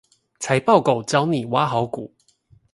財報狗教你挖好股